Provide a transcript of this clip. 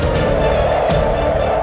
aku akan menikah denganmu